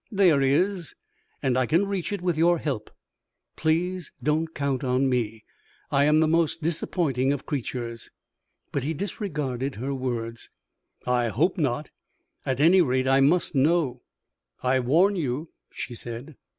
"There is, and I can reach it with your help." "Please don't count on me; I am the most disappointing of creatures." But he disregarded her words. "I hope not; at any rate, I must know." "I warn you," she said.